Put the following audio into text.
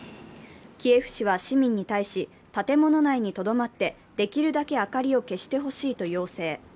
キエフ市は市民に対し、建物内にとどまってできるだけ明かりを消してほしいと要請。